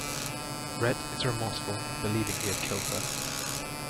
Rhett is remorseful, believing he has killed her.